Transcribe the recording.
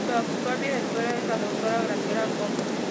Su actual directora es la doctora Graciela Alfonso.